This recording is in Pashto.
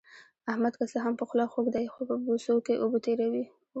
احمد که څه هم په خوله خوږ دی، خو په بوسو کې اوبه تېروي.